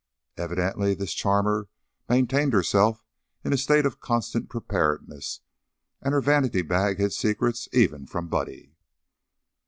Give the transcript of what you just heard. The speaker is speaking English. Evidently this charmer maintained herself in a state of constant preparedness, and her vanity bag hid secrets even from Buddy.